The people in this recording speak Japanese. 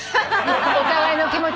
お互いの気持ちがね。